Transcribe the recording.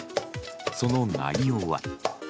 その内容は。